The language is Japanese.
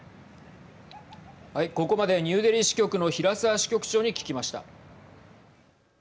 ここまでニューデリー支局の平沢支局長に聞きました。